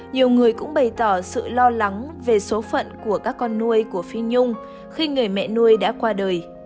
nhiều người cũng bày tỏ sự lo lắng về số phận của các con nuôi của phi nhung khi nghề mẹ nuôi đã qua đời